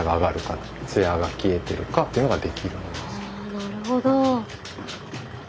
なるほど。